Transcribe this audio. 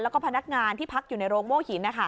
แล้วก็พนักงานที่พักอยู่ในโรงโม่หิน